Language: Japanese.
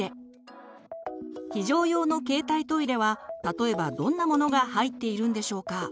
非常用の携帯トイレは例えばどんなものが入っているんでしょうか。